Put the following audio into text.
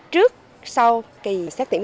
trước sau kỳ xét tuyển